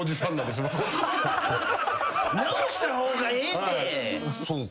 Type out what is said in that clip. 直した方がええって。